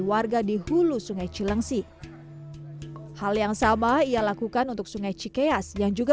warga di hulu sungai cilengsi hal yang sama ia lakukan untuk sungai cikeas yang juga